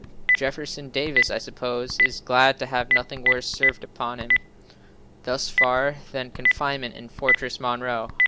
Jefferson Davis, I suppose, is glad to have nothing worse served upon him, thus far, than confinement in Fortress Monroe.